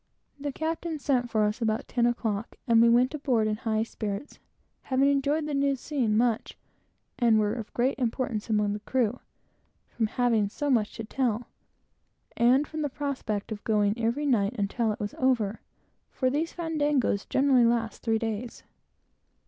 The captain sent for us about ten o'clock, and we went aboard in high spirits, having enjoyed the new scene much, and were of great importance among the crew, from having so much to tell, and from the prospect of going every night until it was over; for these fandangos generally last three days.